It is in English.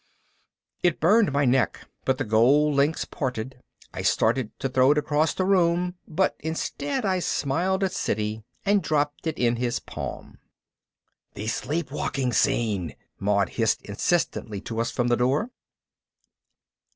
It burned my neck but the gold links parted. I started to throw it across the room, but instead I smiled at Siddy and dropped it in his palm. "The Sleepwalking Scene!" Maud hissed insistently to us from the door.